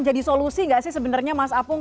jadi solusi nggak sih sebenarnya mas apung